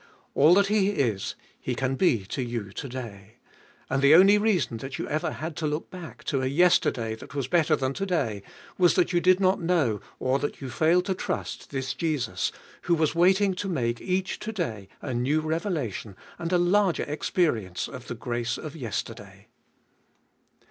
All that He is, He can be to you to day. And the only reason that you ever had to look back to a yesterday that was better than to day, was that you did not know, or that you failed to trust, this Jesus, who was waiting to make each to day a new revelation and a larger experience of the grace of yesterday.